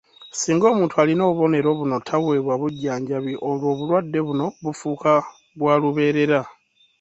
Singa omuntu alina obubonero buno taweebwa bujjanjabi, olwo obulwadde buno bufuuka bwa lubeerera